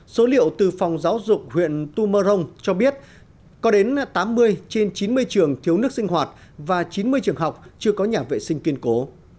số liệu từ phòng giáo dục huyện tu mơ rông cho biết có đến tám mươi trên chín mươi trường thiếu nước sinh hoạt và chín mươi trường học chưa có nhà vệ sinh kiên cố